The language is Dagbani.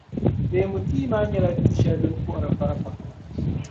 Leemu tia maa nyɛla tia shεli din puhiri vari pam.